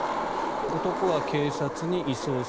男は警察に移送。